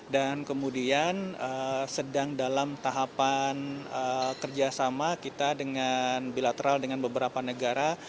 dan kemudian sedang dalam tahapan kerjasama kita dengan bilateral dengan beberapa negara